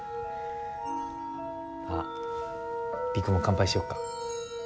あ璃久も乾杯しよっか。